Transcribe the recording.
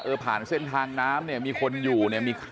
ผ่านเส้นทางน้ำเนี่ยมีคนอยู่เนี่ย